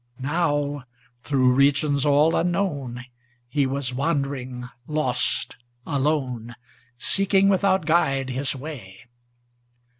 Now, through regions all unknown, He was wandering, lost, alone, Seeking without guide his way.